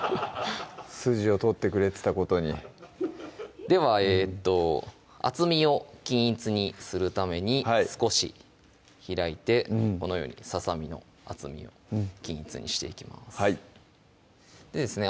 筋を取ってくれてたことにでは厚みを均一にするために少し開いてこのようにささみの厚みを均一にしていきますでですね